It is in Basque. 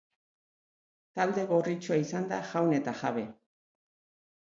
Talde gorritxoa izan da jaun eta jabe.